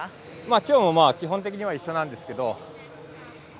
今日もまあ基本的には一緒なんですけど。